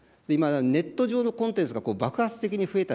ネット上のコンテンツが爆発的に増えた